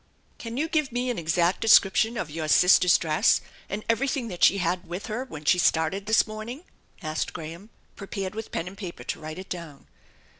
" Can yoa give me an exact description of your sister's dress, and everything that she had with her when she started this morning ?" asked Graham, prepared with pen and paper to write it down.